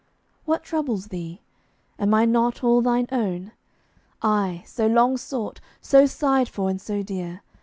What troubles thee? Am I not all thine own? I, so long sought, so sighed for and so dear?